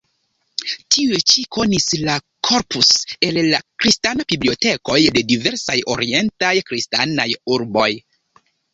Tiuj ĉi konis la "Corpus" el la kristana bibliotekoj de diversaj orientaj kristanaj urboj.